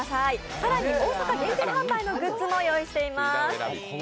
更に大阪限定販売のグッズも用意しています。